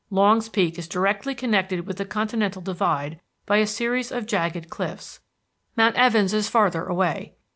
Longs Peak is directly connected with the continental divide by a series of jagged cliffs. Mount Evans is farther away.